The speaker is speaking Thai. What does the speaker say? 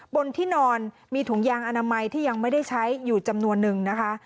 บนที่นอนมีถุงยางอนามัยที่ยังไม่ได้ใช้อยู่จำนวนนึงนะคะ